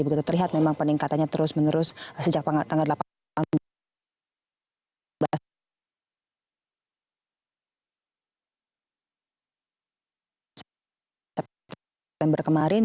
begitu terlihat memang peningkatannya terus menerus sejak tanggal delapan bulan